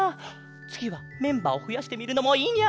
つぎはメンバーをふやしてみるのもいいニャ。